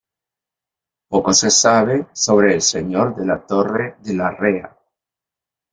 Poco se sabe sobre el señor de la Torre de Larrea.